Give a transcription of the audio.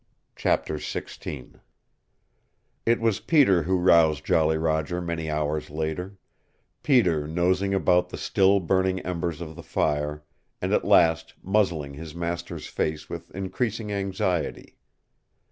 CHAPTER XVI It was Peter who roused Jolly Roger many hours later; Peter nosing about the still burning embers of the fire, and at last muzzling his master's face with increasing anxiety.